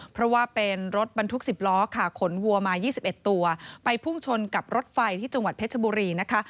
เพราะว่าเป็นรถบรรทุก๑๐ล้อค่ะขนวัวมา๒๑ตัวไปพุ่งชนกับรถไฟที่จังหวัดเพชรบุรีนะคะ